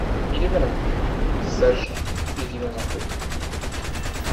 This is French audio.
Il est malin, sage et vit dans un foyer.